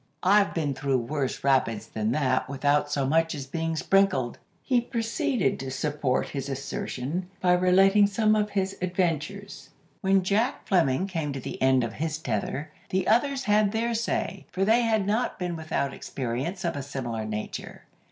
I've been through worse rapids than that without so much as being sprinkled." He proceeded to support his assertion by relating some of his adventures. When Jack Fleming came to the end of his tether, the others had their say, for they had not been without experiences of a similar nature.